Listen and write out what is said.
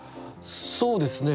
そうですね。